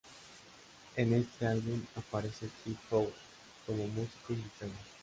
En este álbum aparece Steve Howe como músico invitado.